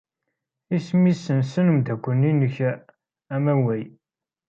Isem-nnes umeddakel-nnek amaway?